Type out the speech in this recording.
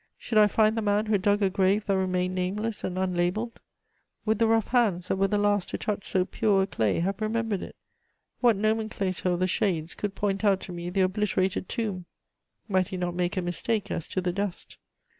Should I find the man who dug a grave that remained nameless and unlabelled? Would the rough hands that were the last to touch so pure a clay have remembered it? What nomenclator of the shades could point out to me the obliterated tomb? Might he not make a mistake as to the dust?